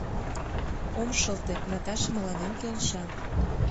— Ом шылте, Наташа мыланем келша.